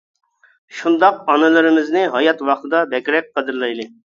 شۇنداق ئانىلىرىمىزنى ھايات ۋاقتىدا بەكرەك قەدىرلەيلى!